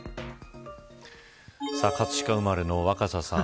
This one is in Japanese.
葛飾生まれの若狭さん。